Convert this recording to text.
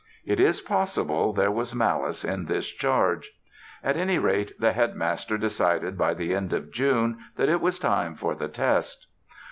It is possible there was malice in this charge. At any rate, the Headmaster decided by the end of June that it was time for the test.